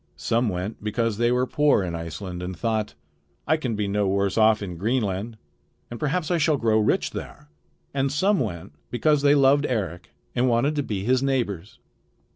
Some went because they were poor in Iceland and thought: "I can be no worse off in Greenland, and perhaps I shall grow rich there." And some went because they loved Eric and wanted to be his neighbors.